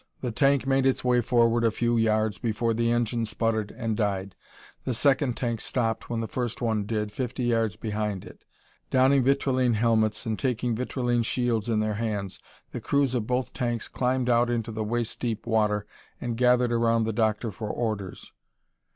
The tank made its way forward a few yards before the engine sputtered and died. The second tank stopped when the first one did, fifty yards behind it. Donning vitrilene helmets and taking vitrilene shields in their hands, the crews of both tanks climbed out into the waist deep water and gathered around the Doctor for orders.